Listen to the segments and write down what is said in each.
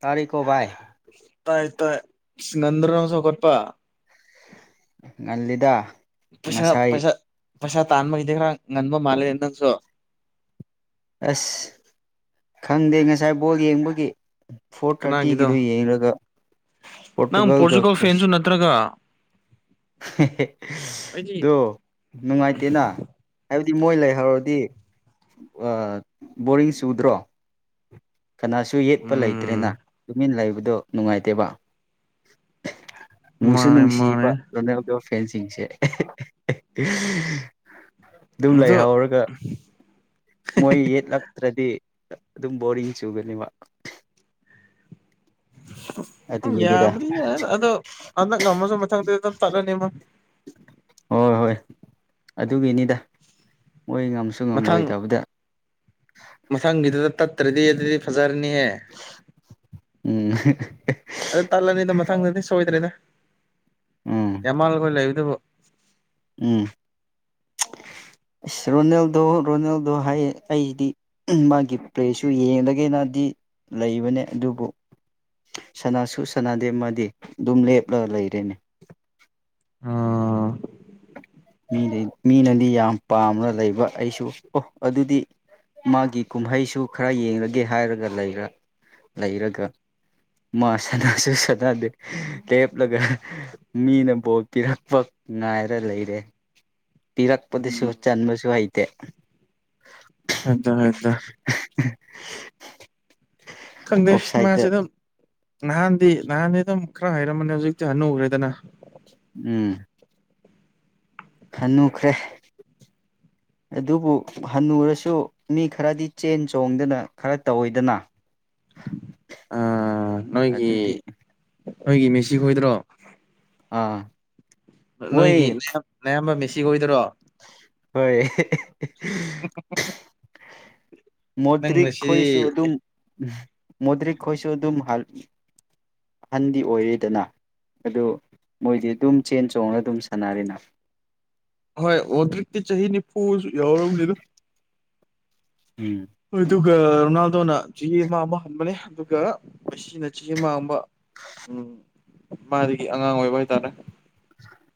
ꯇꯔꯤ ꯀꯣ ꯕꯏ ꯇꯥꯏ ꯇ ꯅꯟꯗꯔꯝ ꯁꯣꯒꯠꯄ ꯉꯜꯗ ꯄꯩꯁꯥ ꯄꯩꯁꯥ ꯄꯩꯁꯥ ꯇꯥꯟꯕꯒꯤꯗꯤ ꯈꯔ ꯉꯟꯕ ꯃꯥꯜꯂꯦ ꯅꯪꯁꯨ ꯑꯁ ꯈꯪꯗꯦ ꯉꯁꯥꯏ ꯕꯣꯜ ꯌꯦꯡꯕꯒꯤ ꯐꯣꯔ ꯊꯥꯔꯇꯤꯒꯤꯗꯨ ꯀꯅꯥꯒꯤꯗꯣ ꯌꯦꯡꯂꯡꯒ ꯅꯪ ꯄꯣꯔꯇꯨꯒꯜꯒ ꯄꯣꯔꯆꯨꯒꯜ ꯐꯦꯟꯁꯨ ꯀ꯭ꯔꯁ ꯅꯠꯇ꯭ꯔꯒ ꯑꯩꯗꯤ ꯑꯣ ꯅꯨꯡꯉꯥꯏꯇꯦꯅ ꯗꯤ ꯃꯣꯏ ꯂꯩꯍꯧꯔꯗꯤ ꯕꯣꯔꯤꯡ ꯆꯨꯗ꯭ꯔꯣ ꯀꯅꯥꯁꯨ ꯌꯦꯠꯄ ꯂꯩꯇ꯭ꯔꯦꯅ ꯎꯝ ꯇꯨꯃꯤꯟ ꯂꯩꯕꯗꯣ ꯅꯨꯡꯉꯥꯏꯇꯦꯕ ꯅꯨꯡꯁꯨ ꯃꯥꯅꯦ ꯃꯥꯅꯦ ꯅꯨꯡꯁꯤꯕ ꯔꯣꯅꯦꯜꯒꯤ ꯐꯦꯟꯁꯤꯡꯁꯦ ꯑꯗꯨꯝ ꯑꯗꯣ ꯂꯩꯍꯧꯔꯒ ꯃꯣꯏ ꯌꯦꯠꯂꯛꯇ꯭ꯔꯗꯤ ꯑꯗꯨꯝ ꯕꯣꯔꯤꯡ ꯆꯨꯒꯅꯦꯕ ꯎꯝ ꯎ ꯌꯥꯕꯨꯗꯤ ꯌꯥ ꯑꯗꯣ ꯑꯗ ꯉꯝꯃꯁꯨ ꯃꯊꯪꯗ ꯑꯗꯨꯝ ꯇꯠꯂꯅꯤꯃ ꯍ ꯍꯣꯏ ꯑꯗꯨꯒꯤꯅꯤꯗ ꯃꯣꯏ ꯉꯝꯁꯨ ꯃꯊꯪ ꯉꯝꯂꯣꯏꯗꯕꯗ ꯃꯊꯪꯒꯤꯗꯨꯗ ꯇꯠꯇ꯭ꯔꯗꯤ ꯑꯗꯨꯗꯤ ꯐꯖꯔꯅꯤꯍꯦ ꯎꯝ ꯑꯗ ꯇꯜꯂꯅꯤꯗ ꯃꯊꯪꯗꯗꯤ ꯁꯣꯏꯗ꯭ꯔꯦꯗ ꯎꯝ ꯌꯥꯝ ꯃꯥꯜꯂꯈꯣꯏ ꯂꯩꯕꯗꯨꯕꯨ [unintelligible] ꯎꯝ [unintelligible] ꯏꯁꯁ ꯔꯣꯅꯦꯜꯗꯣ ꯔꯣꯅꯦꯜꯗꯣ ꯍꯥꯏꯌꯦ ꯑꯩꯁꯤꯗꯤ ꯃꯥꯒꯤ ꯄ꯭ꯂꯦꯁꯨ ꯌꯦꯡꯂꯒꯦꯅꯗꯤ ꯂꯩꯕꯅꯦ ꯑꯗꯨꯕꯨ ꯁꯅꯥꯁꯨ ꯁꯅꯥꯗꯦꯃꯗꯤ ꯑꯗꯨꯝ ꯂꯦꯞꯂꯒ ꯂꯩꯔꯦꯅꯤ ꯑꯥ ꯃꯤꯗ ꯃꯤꯅꯗꯤ ꯌꯥꯝ ꯄꯥꯝꯅ ꯂꯩꯕ ꯑꯩꯁꯨ ꯑꯣ ꯑꯗꯨꯗꯤ ꯃꯥꯒꯤ ꯀꯨꯝꯍꯩꯁꯨ ꯈꯔ ꯌꯦꯡꯂꯒꯦ ꯍꯥꯏꯔꯒ ꯂꯩꯔ ꯂꯩꯔꯒ ꯃꯥ ꯁꯅꯥꯁꯨ ꯁꯅꯗꯦ ꯂꯦꯞꯂꯒ ꯃꯤꯅ ꯕꯣ ꯄꯤꯔꯛꯄ ꯉꯥꯏꯔ ꯂꯩꯔꯦ ꯄꯤꯔꯛꯄꯗꯁꯨ ꯎꯝ ꯆꯟꯕꯁꯨ ꯍꯩꯇꯦ ꯑꯗꯨꯗ ꯍꯥꯏꯗ ꯈꯪꯗꯦꯁ ꯑꯣꯞꯁꯥꯏꯠꯇ ꯃꯥꯁꯤꯗ ꯅꯍꯥꯟꯗꯤ ꯅꯍꯥꯟꯗꯤ ꯑꯗꯨꯝ ꯈꯔ ꯍꯩꯔꯝꯃꯅꯤ ꯍꯧꯖꯤꯛꯇꯤ ꯍꯨꯈ꯭ꯔꯦꯗꯅ ꯎꯝ ꯈꯟꯅꯨꯈ꯭ꯔꯦ [inaudible] ꯑꯗꯨꯕꯨ ꯍꯟꯅꯨꯔꯁꯨ ꯃꯤ ꯈꯔꯗꯤ ꯆꯦꯟ ꯆꯣꯡꯗꯅ ꯈꯔ ꯇꯧꯋꯤꯗꯅ ꯑꯥ ꯅꯣꯏꯒꯤ ꯑꯗꯨꯗꯤ ꯅꯣꯏꯒꯤ ꯃꯦꯁꯤ ꯈꯣꯏꯗ꯭ꯔꯣ ꯑꯥ ꯅꯣꯏꯒꯤꯌꯥꯝ ꯃꯣꯏ ꯅꯌꯥꯝꯕ ꯃꯦꯁꯤ ꯑꯣꯏꯗꯣꯏꯔꯣ ꯍꯣꯏ ꯅꯪ ꯃꯗꯛ ꯈꯣꯏꯁꯨ ꯉꯁꯤ ꯑꯗꯨꯝ ꯃꯣꯗ꯭ꯛ ꯈꯣꯏꯁꯨ ꯑꯗꯨꯝ ꯍ ꯑꯍꯟꯗꯤ ꯑꯣꯏꯔꯤꯦꯗꯅ ꯑꯗꯨ ꯃꯣꯏꯗꯤ ꯑꯗꯨꯝ ꯆꯦꯟ ꯆꯣꯡꯉ ꯑꯗꯨꯝ ꯁꯥꯟꯅꯔꯤꯅ ꯍꯣꯏ ꯍꯧꯗꯛꯇꯤ ꯆꯍꯤ ꯅꯤꯐꯨꯁꯨ ꯌꯥꯎꯔꯕꯅꯤꯗ ꯎꯝ ꯍꯣꯏꯗꯨ ꯔꯣꯅꯥꯜ ꯑꯗꯨꯅ ꯆꯦꯦ ꯃꯥꯡꯕ ꯍꯟꯕꯅꯦ ꯑꯗꯨꯒ ꯑꯁꯤꯅ ꯆꯦ ꯃꯥꯡꯕ ꯎꯝ ꯃꯥꯗꯒꯤ ꯑꯉꯥꯡ ꯑꯣꯏꯕ ꯍꯥꯏꯇꯥꯔꯦ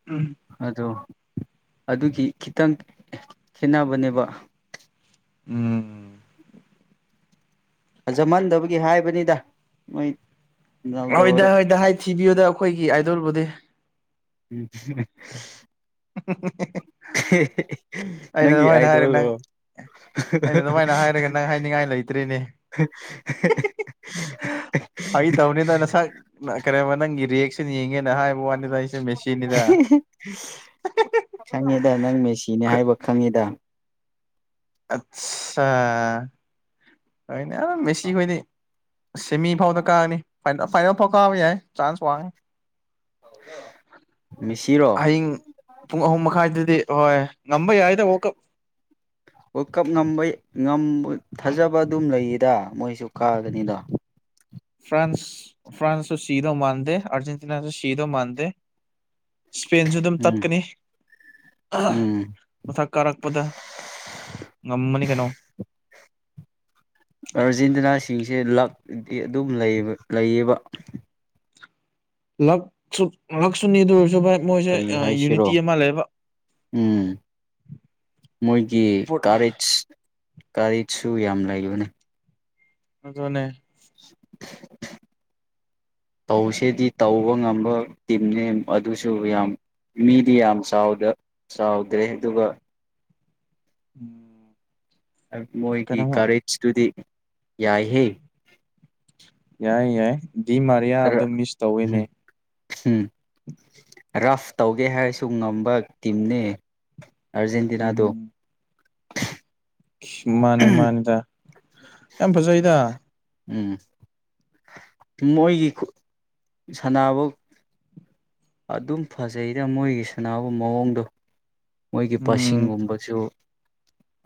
ꯎꯝ ꯑꯗꯨꯗꯣ ꯑꯗꯨꯒꯤ ꯈꯤꯇꯪ ꯈꯦꯅꯕꯅꯦꯕ ꯎꯝ ꯐꯖꯝꯍꯟꯗꯕꯒꯤ ꯍꯥꯏꯕꯅꯤꯗ ꯃꯣꯏ ꯍꯣꯏꯗ ꯔꯣꯅꯥꯜꯗꯣꯗꯣ ꯍꯣꯏꯗꯗꯥ ꯍꯥꯏ ꯊꯤꯕꯤꯌꯨꯗ ꯑꯩꯈꯣꯏꯒꯤ ꯑꯥꯏꯗꯕꯨꯗꯤ ꯎꯝ [inaudible] ꯑꯩꯅ ꯅꯪꯒꯤ ꯑꯗꯨꯃꯥꯏꯅ ꯍꯥꯏꯔꯦ ꯅꯪ ꯑꯏꯗꯣꯜꯣ ꯑꯩꯅ ꯑꯗꯨꯃꯥꯏꯅ ꯍꯥꯏꯔꯒ ꯅꯪ ꯍꯥꯏꯅꯤꯡꯉꯥꯏ ꯂꯩꯇ꯭ꯔꯤꯅꯦ ꯐꯒꯤ ꯇꯧꯅꯤꯗ ꯅꯁꯛ ꯀꯩꯅ ꯅꯪꯒꯤ ꯔꯤꯌꯦꯛꯁꯟ ꯌꯦꯡꯉꯦꯅ ꯍꯥꯏꯕ ꯋꯥꯅꯤꯗ ꯑꯩꯁꯨ ꯃꯦꯆꯤꯟꯅꯤꯗ ꯗ ꯅꯪ ꯃꯦꯁꯤꯅꯦ ꯍꯥꯏꯕ ꯈꯪꯉꯤꯗ ꯑꯠꯆꯥ ꯑꯩꯩꯅ ꯃꯦꯁꯤꯈꯣꯏꯅꯤ ꯁꯦꯃꯤ ꯐꯥꯎꯗ ꯀꯥꯔꯅꯤ ꯐꯥꯏꯅꯦꯜ ꯐꯥꯎ ꯀꯥꯕ ꯌꯥꯏ ꯆꯥꯟꯁ ꯋꯥꯡꯉꯦ ꯍ ꯑꯍꯤꯡ ꯄꯨꯡ ꯑꯍꯨꯝ ꯃꯈꯥꯏꯗꯗꯤ ꯍꯣꯏ ꯉꯝꯕ ꯌꯥꯏꯗ ꯋꯥꯜꯀꯞ ꯋꯥꯔꯜ ꯀꯞ ꯉꯝꯕ ꯊꯥꯖꯕ ꯑꯗꯨꯝ ꯂꯩꯌꯦꯗ ꯃꯣꯏꯁꯨ ꯀꯥꯒꯅꯤꯗꯣ ꯐ꯭ꯔꯥꯟꯁ ꯐ꯭ꯔꯥꯟꯁꯁꯨ ꯁꯤꯗꯧ ꯃꯥꯥꯟꯗ ꯑꯔꯖꯦꯟꯇꯤꯅꯥꯁꯨ ꯁꯤꯗꯧ ꯃꯥꯥꯟꯗ ꯏꯁꯄꯦꯟꯁꯨ ꯑꯗꯨꯝ ꯎꯝ ꯇꯠꯀꯅꯤ ꯎꯝ ꯃꯊꯛ ꯀꯥꯔꯛꯄꯗ ꯉꯃꯅꯤ ꯀꯩꯅꯣ ꯑꯥꯔꯖꯦꯟꯇꯤꯅꯥꯁꯤꯡꯁꯦ ꯂꯗꯤ ꯑꯗꯨꯝ ꯂꯩꯌꯦꯕ ꯂꯛ ꯁ ꯂꯛ ꯁꯨꯅꯤ ꯑꯗꯨ ꯑꯣꯏꯔꯁꯨ ꯚꯥꯏ ꯃꯣꯏꯁꯦ ꯀꯔꯤ ꯍꯥꯏꯁꯤꯔꯣ ꯌꯨꯅꯤꯇꯤ ꯑꯃ ꯂꯩꯕ ꯎꯝ ꯃꯣꯏꯒꯤ ꯀꯥꯔꯦꯁ ꯀꯔꯤꯁꯨ ꯌꯥꯝ ꯂꯩꯕꯅꯤ ꯑꯗꯨꯅꯦ ꯇꯧꯁꯦꯗꯤ ꯇꯧꯕ ꯉꯝꯕ ꯇꯤꯝꯅꯤ ꯑꯗꯨꯁꯨ ꯌꯥꯝ ꯃꯤꯗꯤ ꯌꯥꯝ ꯆꯥꯎꯗ ꯆꯥꯎꯗ꯭ꯔꯦ ꯑꯗꯨꯒ ꯎꯝ ꯃꯣꯏꯒꯤ ꯀꯔꯦꯖꯇꯨꯗꯤ ꯌꯥꯏꯍꯦ ꯌꯥꯏ ꯌꯥꯏ ꯗꯤ ꯃꯔꯤꯌꯥꯗꯨ ꯔ ꯃꯤꯁ ꯇꯧꯑꯦꯅꯦ ꯎꯝ ꯔꯐ ꯇꯧꯒꯦ ꯍꯥꯏꯔꯁꯨ ꯉꯝꯕ ꯇꯤꯝꯅꯦ ꯑꯔꯖꯦꯟꯇꯤꯅꯥꯗꯣ ꯎꯝ ꯃꯥꯅꯦ ꯃꯥꯅꯦꯗ ꯌꯥꯝ ꯐꯖꯩꯗ ꯎꯝ ꯃꯣꯏꯒꯤ ꯁꯥꯟꯅꯕ ꯑꯗꯨꯝ ꯐꯖꯩꯗ ꯃꯣꯏꯒꯤ ꯁꯥꯟꯅꯕ ꯃꯑꯣꯡꯗꯣ ꯃꯣꯏꯒꯤ ꯎꯝ ꯄꯁꯤꯒꯨꯝꯕꯁꯨ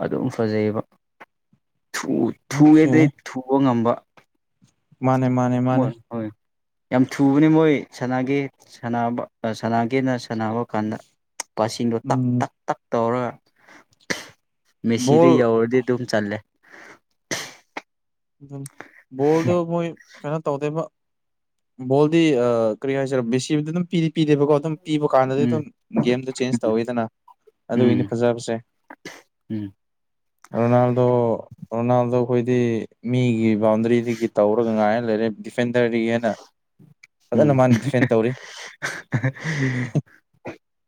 ꯑꯗꯨꯝ ꯐꯖꯩꯑꯕ ꯊꯨ ꯑꯣꯀꯦ ꯊꯨꯒꯦꯗꯩ ꯊꯨꯕ ꯉꯝꯕ ꯃꯥꯅꯦ ꯃꯥꯅꯦ ꯃꯥꯅꯦ ꯃꯣꯏ ꯍꯣꯏ ꯌꯥꯝ ꯊꯨꯕꯅꯦ ꯃꯣꯏ ꯁꯅꯒꯦ ꯁꯥꯅꯕ ꯁꯥꯟꯅꯒꯦꯅ ꯁꯥꯟꯅꯕ ꯀꯥꯟꯗ ꯄꯁꯤꯡꯗꯣ ꯇꯛ ꯎꯝ ꯇꯛ ꯇꯛ ꯇꯧꯔꯒ ꯃꯦꯁꯤꯗꯣ ꯕꯣꯜ ꯌꯧꯔꯗꯤ ꯑꯗꯨꯝ ꯆꯜꯂꯦ ꯎ ꯕꯣꯜꯗꯣ ꯃꯣꯏ ꯀꯩꯅꯣ ꯇꯧꯗꯦꯏꯕ ꯕꯣꯜꯗꯤ ꯀꯔꯤ ꯍꯥꯏꯁꯤꯔꯦ ꯕꯦꯁꯤꯗꯤ ꯑꯗꯨꯝ ꯄ ꯄꯤꯗꯦꯕꯀꯣ ꯑꯗꯨꯝ ꯄꯤꯕ ꯀꯥꯟꯗꯗꯤ ꯎꯝ ꯑꯗꯨꯝ ꯒꯦꯝꯗꯣ ꯆꯦꯟꯖ ꯇꯧꯌꯦꯗꯅ ꯑꯗꯨꯒꯤꯅꯤ ꯎꯝ ꯐꯖꯕꯁꯦ ꯎꯝ ꯔꯣꯅꯥꯜꯗꯣ ꯔꯣꯅꯥꯜꯗꯣ ꯈꯣꯏꯗꯤ ꯃꯤꯒꯤ ꯕꯥꯎꯟꯗꯔꯤꯗꯒꯤ ꯇꯧꯔꯒ ꯉꯥꯏꯅ ꯂꯩꯔꯦ ꯗꯤꯐꯦꯟꯗꯔꯗꯒꯤ ꯍꯦꯟꯅ ꯎꯝ ꯐꯖꯅ ꯃꯥꯅ ꯗꯤꯐꯦꯟ ꯇꯧꯔꯤ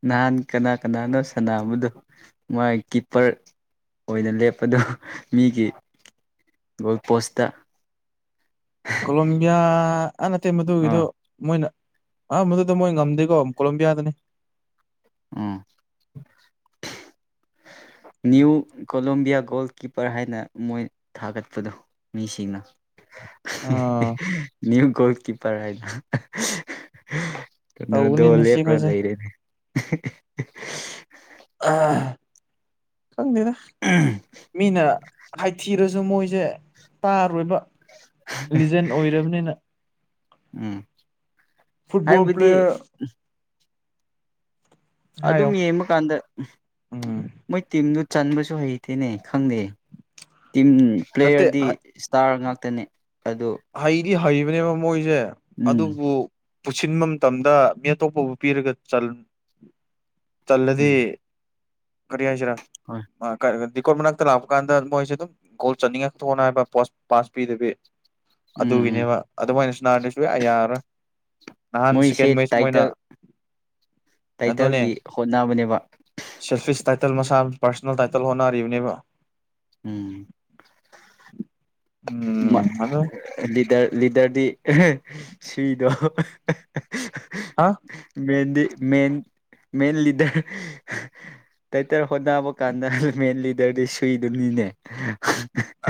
ꯅꯍꯥꯟ ꯀꯅꯥ ꯀꯅꯥꯅꯣ ꯁꯅꯥꯕꯗꯣ ꯃꯥꯒꯤ ꯀꯤꯞꯄꯔ ꯑꯣꯏꯅ ꯂꯦꯞꯄꯗꯨ ꯃꯤꯒꯤ ꯒꯣꯜ ꯄꯣꯁꯇ ꯀꯣꯂꯣꯕꯤꯌꯥ ꯑ ꯅꯠꯇꯦ ꯃꯗꯨꯒꯤꯗꯨ ꯑꯥ ꯃꯣꯏꯅ ꯑ ꯃꯗꯨꯗ ꯃꯣꯏ ꯉꯝꯗꯦꯀꯣ ꯑꯃꯨ ꯀꯣꯂꯂꯝꯕꯤꯌꯥꯗꯅꯤ ꯎꯝ ꯅ꯭ꯌꯨ ꯀꯣꯂꯣꯕꯤꯌꯥ ꯒꯣꯜ ꯀꯤꯞꯄꯔ ꯍꯥꯏꯅ ꯃꯣꯏ ꯊꯥꯒꯠꯄꯗꯣ ꯃꯤꯁꯤꯡꯅ ꯑꯥ ꯅ꯭ꯌꯨ ꯒꯣꯜ ꯀꯤꯄꯔ ꯍꯥꯏꯕ ꯀꯗꯔꯗꯣ ꯇꯧꯕꯅꯤꯅꯦ ꯂꯦꯞꯄ꯭ꯔ ꯁꯤꯈꯣꯏꯁꯦ ꯂꯩꯔꯦꯅꯦ ꯈꯪꯗꯦꯗ ꯃꯤꯅ ꯍꯥꯏꯊꯤꯔꯁꯨ ꯑꯗꯨ ꯃꯣꯏꯁꯦ ꯇꯥꯔꯣꯏꯕ ꯂꯤꯖꯦꯟ ꯑꯣꯏꯔꯕꯅꯤꯅ ꯎꯝ ꯐꯨꯠꯕꯣꯜ ꯍꯥꯏꯕꯗꯤ ꯄ꯭ꯂꯦꯌꯔ ꯍꯥꯏꯌꯣ ꯑꯗꯨꯝ ꯌꯦꯡꯕꯀꯥꯟꯗ ꯎꯝ ꯃꯣꯏ ꯇꯤꯝꯗꯨ ꯆꯟꯕꯁꯨ ꯍꯩꯇꯦꯅꯦ ꯈꯪꯗꯦ ꯇꯤꯝ ꯅꯠꯇꯦ ꯄ꯭ꯂꯦꯌꯔꯗꯤ ꯏꯁꯇꯥꯔ ꯉꯥꯛ ꯈꯛꯇꯅꯦ ꯑꯗꯣ ꯒꯤ ꯍꯩꯕꯅꯦꯕ ꯃꯣꯏꯁꯦ ꯑꯗꯨꯕꯨ ꯄꯨꯁꯤꯟꯕ ꯃꯇꯝꯗ ꯃꯤ ꯑꯇꯣꯞꯄꯕꯨ ꯄꯤꯔꯒ ꯆꯜ ꯆꯜꯂꯗꯤ ꯎꯝ ꯀꯔꯤ ꯍꯥꯏꯁꯤꯔ ꯍꯣꯏ ꯑ ꯀ ꯗꯤꯀꯣꯔꯠ ꯃꯅꯥꯛꯇ ꯂꯥꯛꯄ ꯀꯥꯟꯗ ꯃꯣꯏꯁꯦ ꯑꯗꯨꯝ ꯒꯣꯜ ꯆꯟꯅꯤꯡꯉꯛꯇꯣꯅ ꯍꯥꯏꯕ ꯄꯣꯁ ꯄꯥꯁ ꯄꯤꯗꯕꯤ ꯎꯝ ꯎꯝ ꯑꯗꯨꯒꯤꯅꯦꯕ ꯑꯗꯨꯃꯥꯏꯅ ꯁꯥꯅꯔꯗꯤ ꯁꯨꯡꯌꯥ ꯌꯥꯔꯔꯣꯏ ꯅꯍꯥꯟ ꯃꯣꯏꯁꯦ ꯁꯦꯀꯦꯟ ꯃꯦꯆ ꯃꯣꯏꯅ ꯇꯥꯏꯇꯜ ꯑꯗꯨꯅꯦ ꯇꯥꯏꯇꯜꯒꯤ ꯍꯣꯠꯅꯕꯅꯦꯕ ꯁꯐꯤꯁꯇ ꯇꯥꯏꯇꯜ ꯃꯁꯥ ꯄꯥꯔꯁꯣꯅꯦꯜ ꯇꯥꯏꯇꯜ ꯍꯣꯠꯅꯔꯤꯕꯅꯦꯕ ꯎꯝ ꯎꯝ ꯑꯗꯨ ꯂꯤꯗꯔ ꯂꯤꯗꯔꯗꯤ ꯁꯨꯏꯗꯣ ꯍꯥ ꯃꯗꯤ ꯃꯦꯟ ꯃꯦꯟ ꯂꯤꯗꯔ ꯇꯥꯏꯇꯔ ꯍꯣꯠꯅꯕ ꯀꯥꯟꯗ ꯃꯦꯟ ꯂꯤꯗꯔꯗꯤ ꯁꯨꯏꯗꯨꯅꯤꯅꯦ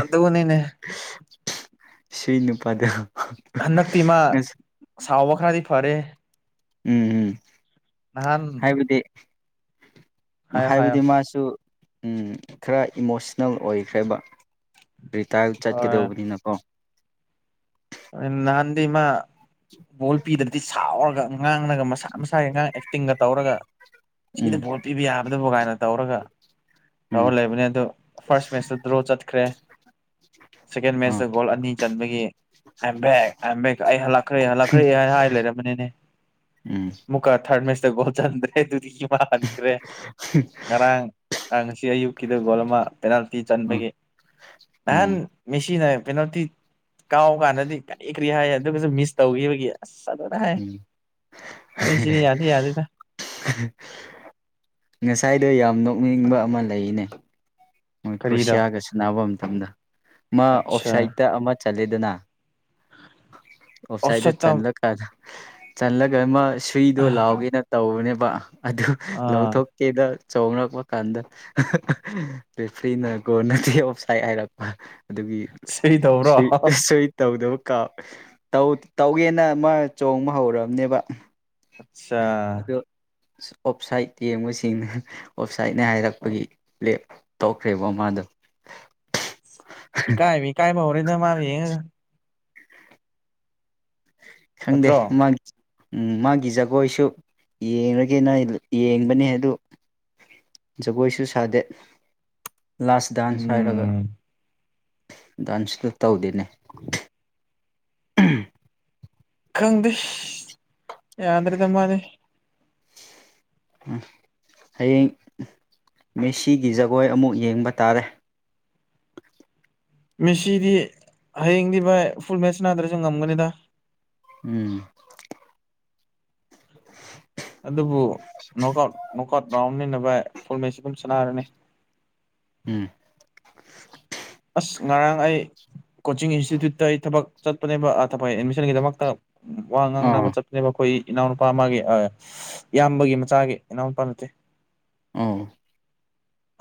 ꯑꯗꯨꯅꯤꯅꯦ ꯁꯨꯏ ꯅꯨꯄꯥꯗꯨ ꯍꯟꯗꯛꯇꯤ ꯃꯥ ꯁꯥꯎꯕ ꯈꯔꯗꯤ ꯐꯔꯦ ꯎꯝ ꯎꯝ ꯅꯍꯥꯟ [unintelligible] ꯍꯥꯏꯌꯣ ꯍꯥꯏꯌꯣ ꯍꯥꯏꯕꯗꯤ ꯃꯥꯁꯨ ꯈꯔ ꯏꯃꯣꯁꯅꯦꯜ ꯑꯣꯏꯈ꯭ꯔꯦꯕ ꯔꯤꯇꯥꯜ ꯍꯣꯏ ꯆꯠꯀꯗꯧꯕꯅꯤꯅꯀꯣ ꯅꯍꯥꯟꯗꯤ ꯏꯃ ꯕꯣꯜ ꯄꯤꯗ꯭ꯔꯗꯤ ꯁꯥꯎꯔꯒ ꯑꯉꯥꯡꯅꯒ ꯃꯁꯥ ꯃꯁꯥꯒꯤ ꯑꯉꯥꯡ ꯑꯦꯛꯇꯤꯡꯒ ꯇꯧꯔꯒ ꯁꯤꯗ ꯎꯝ ꯚꯣꯠ ꯄꯤꯕ ꯌꯥꯕꯗꯕ ꯀꯥꯏꯅ ꯇꯧꯔꯒ ꯎꯝ ꯇꯧꯔ ꯂꯩꯕꯅꯦ ꯑꯗꯨ ꯐꯥꯔꯁ ꯃꯦꯠꯆꯇ ꯗ꯭ꯔꯣ ꯆꯠꯈ꯭ꯔꯦ ꯁꯦꯀꯦꯟ ꯑꯥ ꯃꯦꯠꯆꯇ ꯒꯣꯜ ꯑꯅꯤ ꯆꯟꯕꯒꯤ ꯑꯦꯝꯕꯦꯛ ꯑꯕꯦꯛ ꯑꯩ ꯍꯜꯂꯛꯈ꯭ꯔꯦ ꯍꯜꯂꯛꯈ꯭ꯔꯦ ꯍꯥꯏ ꯍꯥꯏ ꯂꯩꯔꯃꯅꯤꯅꯦ ꯎꯝ ꯃꯨꯀ ꯊꯥꯔꯠ ꯃꯦꯁꯇ ꯣꯠꯁꯤꯟꯗ꯭ꯔꯦ ꯑꯗꯨꯗꯤ ꯏ ꯃꯥꯥꯟꯍꯟꯈ꯭ꯔꯦ ꯉꯔꯥꯡ ꯑ ꯉꯁꯤ ꯑꯌꯨꯛꯀꯤꯗ ꯒꯣꯜ ꯑꯃ ꯄꯦꯅꯥꯜꯇꯤ ꯎꯝ ꯆꯟꯕꯒꯤ ꯅꯍꯥꯟ ꯎꯝ ꯃꯤꯁꯤꯅ ꯄꯦꯅꯣꯜꯇꯤ ꯀꯥꯎ ꯀꯥꯟꯗꯗꯤ ꯀꯔꯤ ꯀꯔꯤ ꯍꯥꯏ ꯑꯗꯨꯒꯁꯨ ꯃꯤꯁ ꯇꯧꯈꯤꯕꯒꯤ ꯑꯁ ꯑꯗꯨꯅꯦꯍꯥꯏ ꯉꯁꯥꯏꯗ ꯌꯥꯝ ꯈꯗꯣꯛꯅꯤꯡꯕ ꯑꯃ ꯂꯩꯅꯦ ꯃꯣꯏ ꯀꯔꯤꯗꯣ ꯀ꯭ꯔꯨꯁꯤꯌꯥꯒ ꯁꯥꯟꯅꯕ ꯃꯇꯝꯗ ꯃꯥ ꯑꯠꯆꯥ ꯑꯣꯞꯁꯥꯏꯠꯇ ꯑꯃ ꯆꯠꯂꯦꯗꯅ ꯑꯣꯐꯁꯥꯏꯗꯦ ꯑꯣꯞꯁꯥꯏꯠꯇ ꯆꯂꯀ ꯆꯥꯟꯂꯒ ꯁꯨꯏꯗꯣ ꯂꯥꯎꯒꯦꯅ ꯇꯧꯕꯅꯦꯕ ꯑꯗꯨ ꯑꯥ ꯂꯧꯊꯣꯛꯀꯦꯗ ꯆꯅꯔꯛꯄ ꯀꯥꯟꯗ ꯐ꯭ꯔꯤꯅꯀꯣ ꯅꯠꯇꯦ ꯑꯣꯞꯁꯥꯏꯠ ꯍꯥꯏꯔꯛꯄ ꯑꯗꯨꯒꯤ ꯁꯤ ꯇꯧꯕ꯭ꯔꯣ ꯁꯔꯤ ꯇꯧꯗꯕ ꯇꯧꯒꯦꯅ ꯑꯃ ꯆꯣꯡꯕ ꯍꯧꯔꯕꯅꯦꯕ ꯑꯆꯥ ꯑꯗꯨ ꯑꯣꯞꯁꯥꯏꯠ ꯌꯦꯡꯕꯁꯤꯡꯅ ꯑꯣꯞꯁꯥꯏꯠꯅꯦ ꯍꯥꯏꯔꯛꯄꯒꯤ ꯄ꯭ꯂꯦꯞ ꯇꯧꯈ꯭ꯔꯦꯕ ꯃꯥꯥꯗꯣ [inaudible] ꯏꯀꯥꯏ ꯕ ꯏꯀꯥꯏꯕ ꯍꯧꯔꯦꯗ ꯃꯥꯒ ꯌꯦꯡꯂꯒ ꯈꯪꯗꯦ ꯅꯠꯇ꯭ꯔꯣ ꯃꯥ ꯃꯥꯒꯤ ꯖꯒꯣꯏꯁꯨ ꯌꯦꯡꯂꯡꯒꯦꯅ ꯌꯦꯡꯕꯅꯦ ꯑꯗꯨ ꯖꯒꯣꯏꯁꯨ ꯁꯥꯗꯦꯠ ꯂꯥꯁ ꯗꯥꯟꯁ ꯍꯥꯏꯔꯒ ꯎꯝ ꯗꯥꯟꯁꯇ ꯇꯧꯗꯦꯅꯦ ꯎꯝ ꯈꯪꯗꯦ ꯌꯥꯗ꯭ꯔꯦꯗ ꯃꯥꯅꯤ ꯍꯌꯦꯡ ꯃꯦꯁꯤꯒꯤ ꯖꯒꯣꯏ ꯑꯃꯨꯛ ꯌꯦꯡꯕ ꯇꯥꯔꯦ ꯃꯦꯁꯤꯗꯤ ꯍꯌꯦꯡꯗꯤ ꯚꯥꯏ ꯐꯨꯜ ꯃꯦꯁ ꯅꯥꯗ꯭ꯔꯁꯨ ꯉꯝꯒꯅꯤꯗ ꯎꯝ ꯑꯗꯨꯕꯨ ꯅꯣꯛꯥꯎꯠ ꯅꯣꯀꯠ ꯔꯥꯎꯟꯃꯤꯟꯅꯕ ꯐꯨꯜꯃꯦꯁꯤ ꯑꯗꯨꯝ ꯁꯥꯟꯅꯔꯅꯤ ꯎꯝ ꯑꯁ ꯉꯔꯥꯡ ꯑꯩ ꯀꯣꯆꯤꯡ ꯏꯟꯁꯇꯤꯇ꯭ꯌꯨꯠꯇ ꯑꯩ ꯊꯕꯛ ꯆꯠꯄꯅꯦꯕ ꯊꯛ ꯑꯦꯗꯃꯤꯁꯟꯒꯤꯗꯃꯛꯇ ꯎ ꯋꯥ ꯑꯥ ꯉꯥꯡꯅꯕ ꯆꯠꯄꯅꯦꯕ ꯑꯩꯈꯣꯏ ꯏꯅꯥꯎꯅꯨꯄꯥ ꯃꯥꯒꯤ ꯏꯌꯥꯝꯕꯒꯤ ꯃꯆꯥꯒꯤ ꯏꯅꯥꯎꯅꯨꯄꯥ ꯅꯠꯇꯦ ꯑ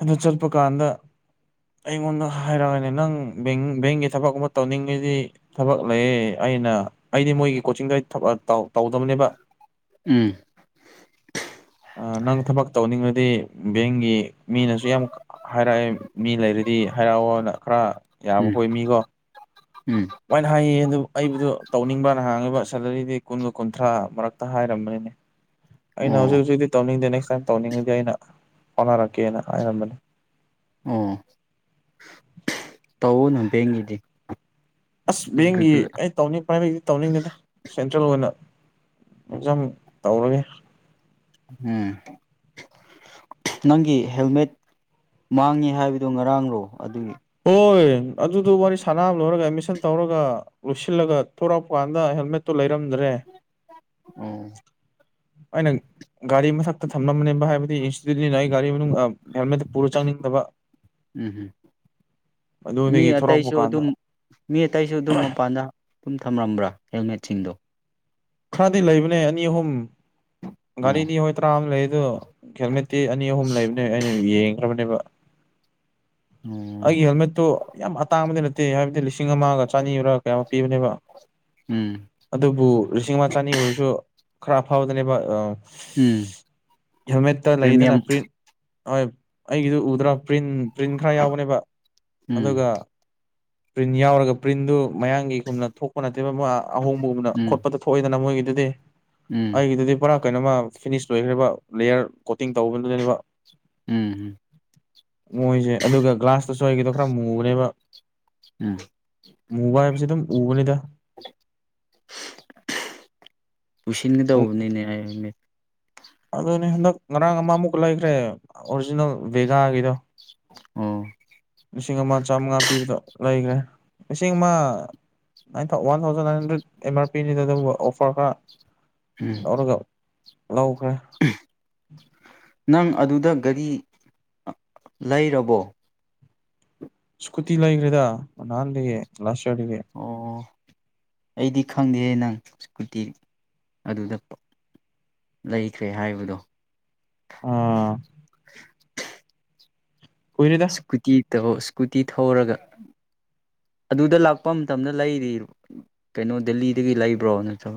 ꯑꯗ ꯆꯠꯄ ꯀꯥꯟꯗ ꯑꯩꯉꯣꯟꯗ ꯍꯥꯏꯔꯛꯑꯅꯦ ꯅꯪ ꯕꯦꯡꯒꯤ ꯊꯕꯛꯀꯨꯝꯕ ꯇꯧꯅꯤꯡꯕꯗꯤ ꯊꯕꯛ ꯂꯩꯌꯦ ꯑꯩꯅ ꯑꯩꯗꯤ ꯃꯣꯏꯒꯤ ꯀꯣꯆꯤꯡꯗ ꯇꯧꯗꯕꯅꯦꯕ ꯎꯝ ꯅꯪ ꯊꯕꯛ ꯇꯧꯅꯤꯡꯕꯗꯤ ꯕꯦꯡꯒꯤ ꯃꯤꯅꯁꯨ ꯌꯥꯝ ꯍꯥꯏꯔꯛꯑꯦ ꯃꯤ ꯂꯩꯔꯗꯤ ꯍꯥꯏꯔꯛꯑꯣꯅ ꯈꯔ ꯌꯥꯕ ꯎꯝ ꯈꯣ ꯃꯤꯀꯣ ꯎꯝ ꯂꯥꯏꯅ ꯍꯥꯏꯌꯦ ꯑꯗꯨ ꯑꯩꯕꯨꯗꯨ ꯇꯧꯅꯤꯡꯕ꯭ꯔ ꯅꯍꯥꯡꯉꯕ ꯁꯦꯂꯔꯤꯗꯤ ꯀꯨꯟꯒ ꯀꯨꯟꯊ꯭ꯔꯥ ꯃꯔꯛꯇ ꯍꯥꯏꯔꯝꯕꯅꯤꯅ ꯦ ꯑꯩꯅ ꯍꯧꯖꯤꯛ ꯑꯣ ꯍꯧꯖꯤꯛꯇꯤ ꯇꯧꯅꯤꯡꯗꯦ ꯅꯦꯛꯁ ꯇꯥꯏꯝ ꯇꯧꯅꯤꯡꯉꯗꯤ ꯑꯩꯅ ꯍꯣꯠꯅꯔꯛꯀꯦꯅ ꯍꯥꯏꯔꯝꯕꯅꯦ ꯑꯣ ꯀꯟ ꯍꯝꯄꯦꯡꯒꯤꯗꯤ ꯑꯁ ꯕꯦꯡꯒꯤ ꯑꯩ ꯇꯧꯅꯤꯡ ꯄ꯭ꯔꯥꯏꯚꯦꯗꯤ ꯇꯧꯅꯤꯡꯗꯦꯗ ꯁꯦꯟꯇ꯭ꯔꯦꯜ ꯑꯣꯏꯅ ꯝ ꯇꯧꯔꯒꯦ ꯎꯝ ꯅꯪꯒꯤ ꯍꯦꯜꯃꯦꯠ ꯃꯥꯡꯉꯦ ꯍꯥꯏꯕꯗꯨꯣ ꯉꯔꯥꯡꯔꯣ ꯑꯗꯨꯒꯤ ꯍꯣꯏ ꯑꯗꯨꯗꯨ ꯋꯥꯔꯤ ꯁꯥꯟꯅ ꯂꯣꯏꯔꯒ ꯑꯦꯗꯃꯤꯁꯟ ꯇꯧꯔꯒ ꯂꯣꯏꯁꯤꯜꯂꯒ ꯊꯣꯔꯛꯄ ꯀꯥꯟꯗ ꯍꯦꯜꯃꯦꯠꯇ ꯂꯩꯔꯝꯗ꯭ꯔꯦ ꯑꯣ ꯑꯩꯅ ꯒꯥꯔꯤ ꯃꯊꯛꯇ ꯊꯝꯂꯝꯅꯦꯕ ꯍꯥꯏꯕꯗꯤ ꯑꯗꯨꯗꯤ ꯅ ꯑꯩ ꯒꯥꯔꯤ ꯃꯅꯨꯡ ꯍꯦꯜꯃꯦꯠꯇ ꯄꯨꯔ ꯆꯪꯅꯤꯡꯗꯕ ꯎꯝ ꯍꯝ ꯃꯤ ꯑꯗꯨꯗꯒꯤ ꯊꯣꯔꯛꯄ ꯑꯇꯩꯁꯨ ꯀꯥꯟꯗ ꯑꯗꯨꯝ ꯃꯤ ꯑꯇꯩꯁꯨ ꯑꯗꯨꯝ ꯃꯄꯥꯟꯗ ꯑꯗꯨꯝ ꯊꯝꯂꯝꯝꯕ꯭ꯔꯥ ꯍꯦꯜꯃꯦꯠꯁꯤꯡꯗꯣ ꯈꯔꯗꯤ ꯂꯩꯕꯅꯦ ꯑꯅꯤ ꯑꯍꯨꯝ ꯑꯣ ꯒꯥꯔꯤꯅꯤ ꯍꯈꯣꯏ ꯇꯔꯥ ꯑꯃ ꯂꯩ ꯑꯗꯨ ꯍꯦꯜꯃꯦꯠꯇꯤ ꯑꯅꯤ ꯑꯍꯨꯝ ꯂꯩꯕꯅꯦ ꯑꯩꯅ ꯌꯦꯡꯈ꯭ꯔꯕꯅꯦꯕ ꯑꯣ ꯑꯩꯒꯤ ꯍꯦꯜꯃꯦꯠꯇꯨ ꯌꯥꯝ ꯑꯇꯥꯡꯕꯗꯤ ꯅꯠꯇꯦ ꯍꯥꯏꯕꯗꯤ ꯂꯩ ꯂꯤꯁꯤꯡ ꯑꯃꯒ ꯆꯅꯤꯔꯥ ꯀꯌꯥ ꯑꯃ ꯄꯤꯕꯅꯦꯕ ꯎꯝ ꯑꯗꯨꯕꯨ ꯂꯤꯁꯤꯡ ꯑꯃ ꯆꯅꯤ ꯑꯣꯏꯔꯁꯨ ꯈꯔ ꯐꯥꯎꯗꯅꯦꯕ ꯎꯝ ꯍꯦꯜꯃꯦꯠꯇ ꯂꯩꯗꯅ ꯄ꯭ꯔꯤꯃꯤꯌꯝ ꯄꯔꯤ ꯍꯣꯏ ꯑꯩꯒꯤꯗꯨ ꯎꯗ꯭ꯔꯥ ꯄ꯭ꯔꯤꯟ ꯄ꯭ꯔꯤꯟ ꯈꯔ ꯌꯥꯎꯕꯅꯦꯕ ꯑꯗꯨꯒ ꯎꯝ ꯄ꯭ꯔꯤꯟ ꯌꯥꯎꯔꯒ ꯄ꯭ꯔꯤꯟꯗꯨ ꯃꯌꯥꯒꯤꯒꯨꯝꯅ ꯊꯣꯛꯄ ꯅꯠꯇꯦꯕ ꯑꯍꯣꯡꯕꯒꯨꯝꯅ ꯎꯝ ꯈꯣꯠꯄꯇ ꯊꯣꯛꯑꯣꯏꯗꯅ ꯃꯣꯏꯒꯤ ꯑꯗꯨꯗꯤ ꯎꯝ ꯑꯩꯒꯤꯗꯨꯗꯤ ꯄꯨꯔꯥ ꯀꯩꯅꯣꯃ ꯐꯤꯅꯤꯁ ꯂꯣꯏꯈ꯭ꯔꯦꯔꯤꯕ ꯂꯦꯌꯔ ꯀꯣꯇꯤꯡ ꯇꯧꯕꯗꯨꯗꯅꯦꯕ ꯎꯝ ꯃꯣꯏꯁꯦ ꯑꯗꯨꯒ ꯒ꯭ꯂꯥꯁꯇꯨꯁꯨ ꯑꯩꯒꯗꯣ ꯈꯔ ꯃꯨꯕꯅꯦꯕ ꯎꯝ ꯃꯨꯕꯥ ꯍꯥꯏ ꯄꯁꯤ ꯑꯗꯨꯝ ꯎꯕꯅꯤꯗ ꯎꯁꯤꯟꯒꯗꯧꯕꯅꯤꯅꯦ ꯑꯩ ꯑꯗꯨꯅꯦ ꯍꯟꯗꯛ ꯉꯔꯥꯡ ꯑꯃꯃꯨꯛ ꯂꯩꯈ꯭ꯔꯦ ꯑꯣꯔꯤꯖꯤꯅꯦꯜ ꯕꯦꯒꯥꯒꯤꯗꯣ ꯎꯝ ꯂꯤꯁꯤꯡ ꯑꯃ ꯆꯥꯝꯃꯉꯥ ꯄꯤꯕꯗꯣ ꯂꯩꯈ꯭ꯔꯦ ꯂꯤꯁꯤꯡ ꯑꯃ nine one thousand nine hundred ꯑꯦꯝꯥꯔ ꯄꯤꯅꯤꯗ ꯑꯗꯨ ꯑꯣꯐꯔ ꯈꯔ ꯎꯝ ꯂꯧ ꯈ ꯅꯪ ꯑꯗꯨꯗ ꯒꯥꯔꯤ ꯂꯩꯔꯕꯣ ꯁꯀꯨꯇꯤ ꯂ ꯏ꯭ꯔꯗ ꯅꯥꯟꯦ ꯂꯥꯁꯦ ꯑꯣ ꯑꯩꯗꯤ ꯈꯪꯗꯦꯍꯦ ꯅꯪ ꯏꯁꯀꯨꯇꯤ ꯑꯗꯨꯗ ꯂꯩꯈ꯭ꯔꯦ ꯍꯥꯏꯕꯗꯣ ꯑꯥ [inaudible] ꯀꯨꯏꯔꯦꯗ ꯁꯀꯨꯇꯤ ꯁ꯭ꯀꯨꯇꯤ ꯊꯧꯔꯒ ꯑꯗꯨꯗ ꯂꯥꯛꯄ ꯃꯇꯝꯗ ꯂꯩꯔꯤ ꯀꯩꯅꯣ ꯗꯦꯜꯂꯤꯗꯒꯤ ꯂꯩꯕ꯭ꯔꯣ ꯅꯠꯇ꯭ꯔꯕ